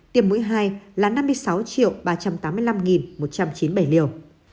tiêm mũi hai là năm mươi sáu ba trăm tám mươi bảy liều